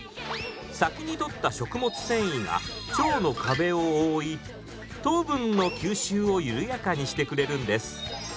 先にとった食物繊維が腸の壁を覆い糖分の吸収を緩やかにしてくれるんです。